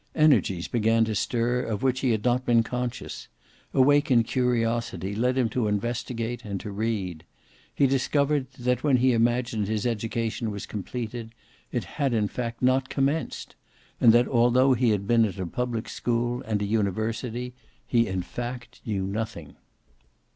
Energies began to stir of which he had not been conscious; awakened curiosity led him to investigate and to read; he discovered that, when he imagined his education was completed, it had in fact not commenced; and that, although he had been at a public school and a university, he in fact knew nothing.